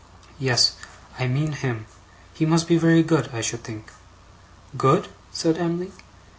'Yes. I mean him. He must be very good, I should think?' 'Good?' said Em'ly.